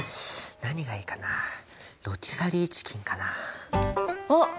何がいいかなあロティサリーチキンかなあ。